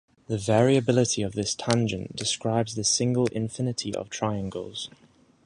The variability of this tangent describes the "single infinity of triangles".